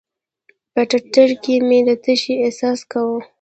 په ټټر کښې مې د تشې احساس کاوه.